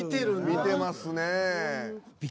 見てますね。